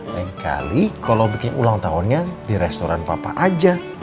lain kali kalau bikin ulang tahunnya di restoran papa aja